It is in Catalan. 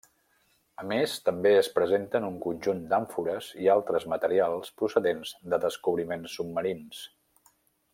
A més també es presenten un conjunt d'àmfores i altres materials procedents de descobriments submarins.